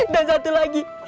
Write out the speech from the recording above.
dan satu lagi